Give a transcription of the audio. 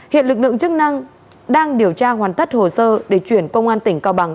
hiện lực lượng chức năng đang điều tra hoàn tất hồ sơ để chuyển công an tỉnh cao bằng